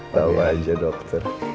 tawa aja dokter